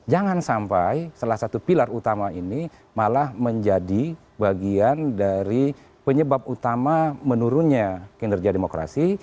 jangan sampai salah satu pilar utama ini malah menjadi bagian dari penyebab utama menurunnya kinerja demokrasi